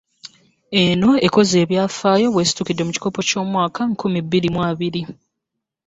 Eno ekoze ebyafaayo bw'esitukidde mu kikopo ky'omwaka nkumi bbiri mu abiri